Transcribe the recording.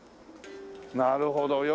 なるほど。